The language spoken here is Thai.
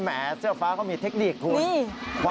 แม่เสื้อฟ้าพี่มีเทคนิครนะ